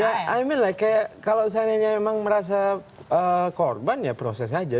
ya i mean like kalau seandainya memang merasa korban ya proses aja